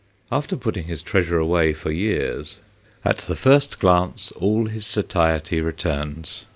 After putting his treasure away for years, at the first glance all his satiety returns.